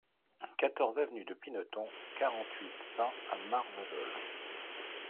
quatorze avenue de Pineton, quarante-huit, cent à Marvejols